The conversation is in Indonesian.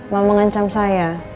mau mengancam saya